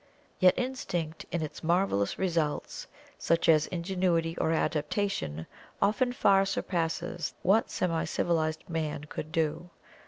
Yet Instinct in its marvelous results, such as ingenuity of adaptation, often far surpasses what semi civilized man could do.